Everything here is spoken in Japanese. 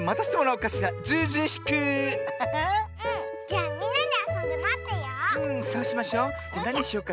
じゃみんなであそんでまってよう。